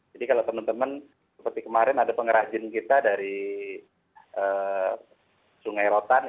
jadi kalau teman teman seperti kemarin ada pengrajin kita dari sungai rotan